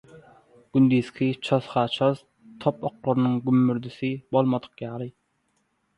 Gündizki çoz-ha-çoz, top oklarynyň gümmürdisi bolmadyk ýaly.